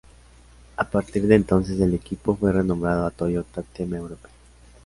A partir de entonces el equipo fue renombrado a "Toyota Team Europe".